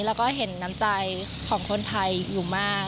แล้วก็เห็นน้ำใจของคนไทยอยู่มาก